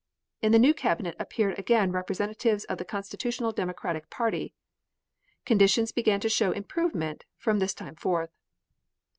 In the new Cabinet appeared again representatives of the Constitutional Democratic party. Conditions began to show improvement from this time forth.